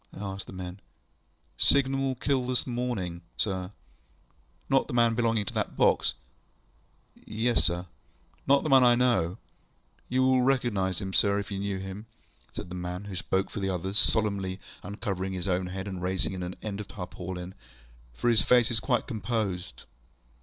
ŌĆØ I asked the men. ŌĆ£Signal man killed this morning, sir. ŌĆØ ŌĆ£Not the man belonging to that box? ŌĆØ ŌĆ£Yes, sir. ŌĆØ ŌĆ£Not the man I know? ŌĆØ ŌĆ£You will recognise him, sir, if you knew him, ŌĆØ said the man who spoke for the others, solemnly uncovering his own head, and raising an end of the tarpaulin, ŌĆ£for his face is quite composed.